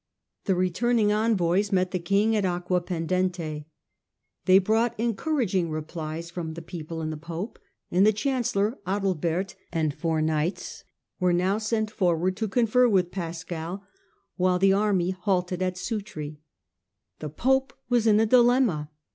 The returning envoys met the king at Aquapendente. They brought encouraging replies from the people and the pope, and the chancellor Adalbert and four knights were now sent forward to confer with Pascal while the army halted at Sutri. The Conference popo was in a dilemma.